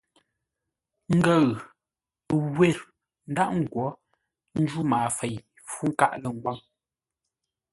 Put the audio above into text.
Ngəʉ ə́ ngwér ńdaghʼ ńgwó ńjǔ maafei-fú-nkâʼ-lə̂-ngwâŋ.